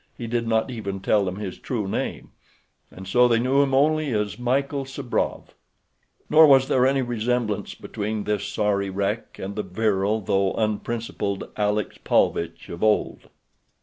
He did not even tell them his true name, and so they knew him only as Michael Sabrov, nor was there any resemblance between this sorry wreck and the virile, though unprincipled, Alexis Paulvitch of old.